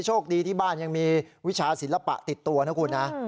โชคดีที่บ้านยังมีวิชาศิลปะติดตัวนะคุณนะ